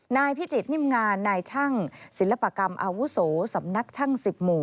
นายพิจิตรนิ่มงานนายช่างศิลปกรรมอาวุโสสำนักช่าง๑๐หมู่